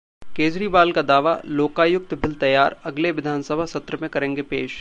केजरीवाल का दावा- लोकायुक्त बिल तैयार, अगले विधानसभा सत्र में करेंगे पेश